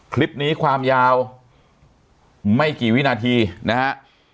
คลิปนี้ความยาวไม่กี่วินาทีนะฮะ